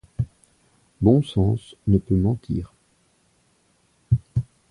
Bon sens ne peut mentir.